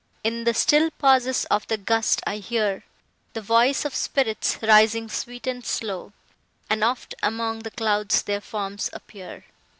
In the still pauses of the gust I hear The voice of spirits, rising sweet and slow, And oft among the clouds their forms appear.